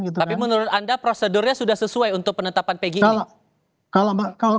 tapi menurut anda prosedurnya sudah sesuai untuk penetapan pg ini